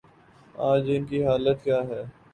آج ان کی حالت کیا ہے؟